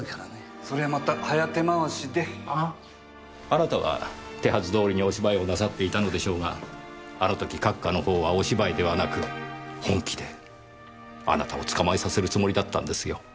あなたは手はずどおりにお芝居をなさっていたのでしょうがあの時閣下のほうはお芝居ではなく本気であなたを捕まえさせるつもりだったんですよ。